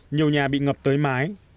nhiều nhà bị ngập tới mái